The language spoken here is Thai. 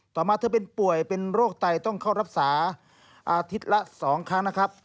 มาเธอเป็นป่วยเป็นโรคไตต้องเข้ารักษาอาทิตย์ละ๒ครั้งนะครับ